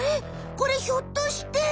これひょっとして。